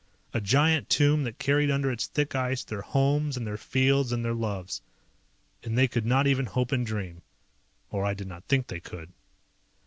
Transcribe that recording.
A giant tomb that carried under its thick ice their homes and their fields and their loves. And they could not even hope and dream. Or I did not think they could.